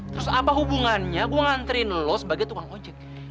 terus apa hubungannya gue nganterin lo sebagai tukang ojek